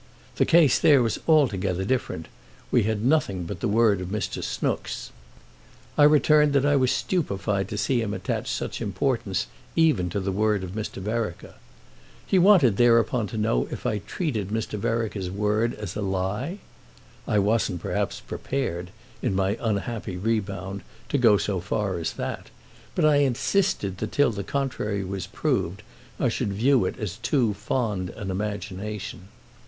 The case there was altogether different—we had nothing but the word of Mr. Snooks. I returned that I was stupefied to see him attach such importance even to the word of Mr. Vereker. He wanted thereupon to know if I treated Mr. Vereker's word as a lie. I wasn't perhaps prepared, in my unhappy rebound, to go so far as that, but I insisted that till the contrary was proved I should view it as too fond an imagination.